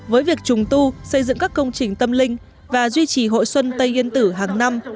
với việc trùng tu xây dựng các công trình tâm linh và duy trì hội xuân tây yên tử hàng năm